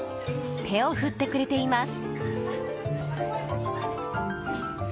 手を振ってくれています。